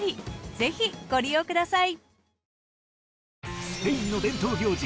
ぜひご利用ください。